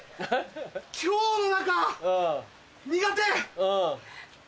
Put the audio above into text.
今日の中苦手！